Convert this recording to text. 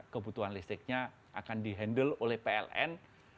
kebutuhan listriknya akan di handle oleh pln